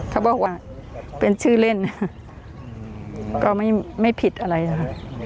เขาบอกว่าเป็นชื่อเล่นนะก็ไม่ผิดอะไรค่ะ